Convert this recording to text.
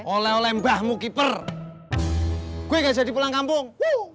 ole ole mbahmu kiper gue gak jadi pulang kampung